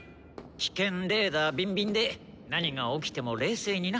危険レーダーびんびんで何が起きても冷静にな。